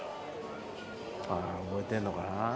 ああ覚えてんのかな？